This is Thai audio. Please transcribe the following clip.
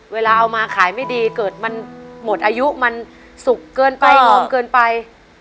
เวลาเอามาขายไม่ดีเกิดมันหมดอายุมันสุกเกินไปหอมเกินไป